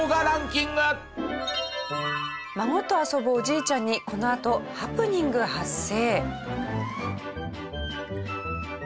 孫と遊ぶおじいちゃんにこのあとハプニング発生。